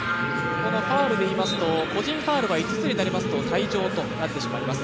ここもファウルでいいますと個人ファウルが５つになりますと退場となってしまいます。